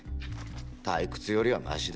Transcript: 退屈よりはマシだ。